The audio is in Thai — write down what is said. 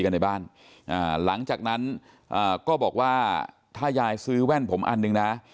กันในบ้านอ่าหลังจากนั้นก็บอกว่าถ้ายายซื้อแว่นผมอันนึงนะ